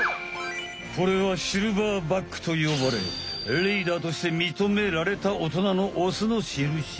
これはシルバーバックとよばれリーダーとしてみとめられたおとなのオスのしるし。